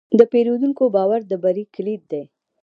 د پیرودونکي باور د بری کلید دی.